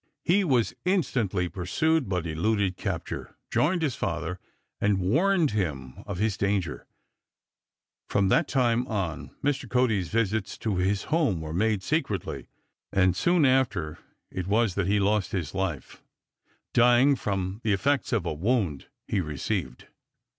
He was instantly pursued, but eluded capture, joined his father, and warned him of his danger. From that time on Mr. Cody's visits to his home were made secretly, and soon after it was that he lost his life, dying from the effects of a wound he received.